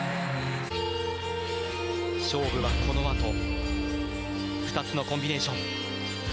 勝負はこのあと２つのコンビネーション。